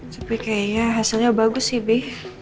tapi kayaknya hasilnya bagus sih b